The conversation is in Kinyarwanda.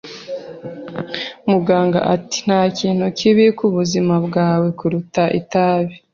Muganga ati: "Nta kintu kibi ku buzima bwawe kuruta itabi."